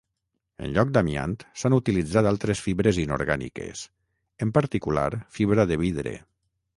En lloc d'amiant s'han utilitzat altres fibres inorgàniques en particular fibra de vidre.